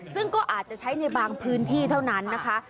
ซึ่งก็อาจจะใช้ในบางพื้นที่เท่านั้นนะคะ